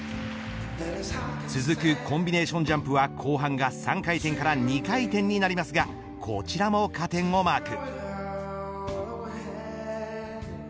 続くコンビネーションジャンプは後半が３回転から２回転になりますがこちらも加点をマーク。